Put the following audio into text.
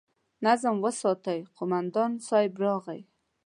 نظم وساتئ! قومندان صيب راغی!